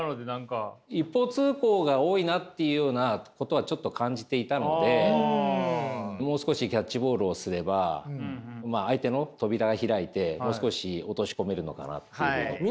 一方通行が多いなというようなことはちょっと感じていたのでもう少しキャッチボールをすれば相手の扉が開いてもう少し落とし込めるのかなっていう。